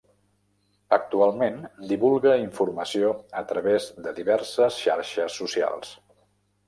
Actualment, divulga informació a través de diverses xarxes socials: